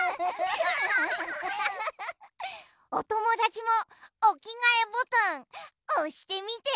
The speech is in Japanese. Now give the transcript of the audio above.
おともだちもおきがえボタンおしてみて。